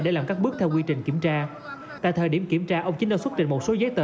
để làm các bước theo quy trình kiểm tra tại thời điểm kiểm tra ông chính đã xuất trình một số giấy tờ